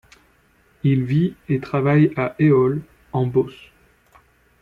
Il vit et travaille à Eole en beauce.